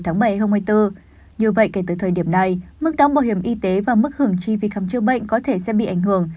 như vậy kể từ thời điểm này mức đóng bảo hiểm y tế và mức hưởng chi phí khám chữa bệnh có thể sẽ bị ảnh hưởng